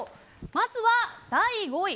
まずは第５位。